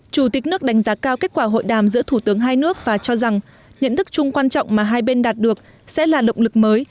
chủ tịch nước đánh giá cao kết quả hội đàm giữa thủ tướng hai nước và cho rằng nhận thức chung quan trọng mà hai bên đạt được sẽ là động lực mới